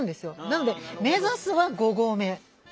なので目指すは５合目。